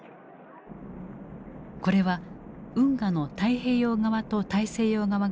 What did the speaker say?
これは運河の太平洋側と大西洋側が合流する地点。